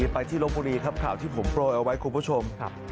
ไปที่ลบบุรีครับข่าวที่ผมโปรยเอาไว้คุณผู้ชม